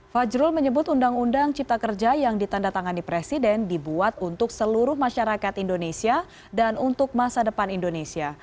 fajrul menyebut undang undang cipta kerja yang ditanda tangani presiden dibuat untuk seluruh masyarakat indonesia dan untuk masa depan indonesia